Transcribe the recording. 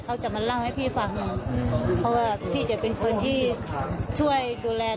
เขาจะมาลั่งให้พี่ฟังเพราะว่าพี่เดี๋ยวเป็นคนที่ช่วยดูแลเขาตลอด